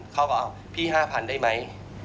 ๕๐๐๐เขาก็เอาพี่๕๐๐๐ได้มั้ย